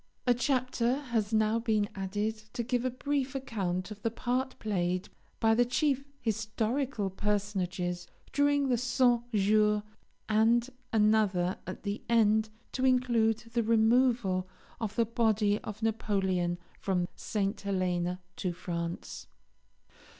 A chapter has now been added to give a brief account of the part played by the chief historical personages during the Cent Jours, and another at the end to include the removal of the body of Napoleon from St. Helena to France.